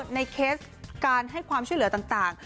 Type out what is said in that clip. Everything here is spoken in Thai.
เคสการให้ความช่วยเหลือต่าง